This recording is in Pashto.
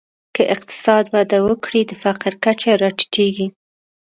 که اقتصاد وده وکړي، د فقر کچه راټیټېږي.